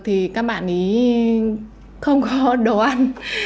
thì các bạn ý không có đồ ăn